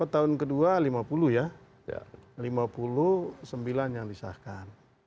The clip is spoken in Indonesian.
tahun kedua lima puluh ya lima puluh sembilan yang disahkan